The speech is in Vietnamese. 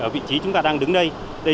vị trí chúng ta đang đứng đây